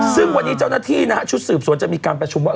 ซึ่งวันนี้เจ้าหน้าที่นะฮะชุดสืบสวนจะมีการประชุมว่า